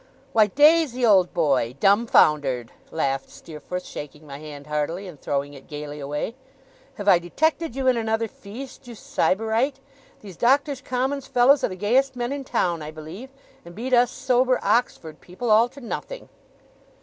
'Why, Daisy, old boy, dumb foundered!' laughed Steerforth, shaking my hand heartily, and throwing it gaily away. 'Have I detected you in another feast, you Sybarite! These Doctors' Commons fellows are the gayest men in town, I believe, and beat us sober Oxford people all to nothing!